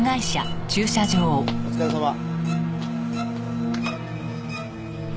お疲れさま。